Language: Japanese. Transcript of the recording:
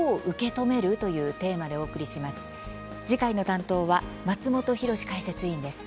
次回の担当は松本浩司解説委員です。